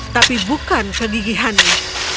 tapi bukan kegigihannya